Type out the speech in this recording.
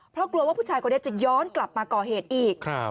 เพราะกลัวว่าผู้ชายคนนี้จะย้อนกลับมาก่อเหตุอีก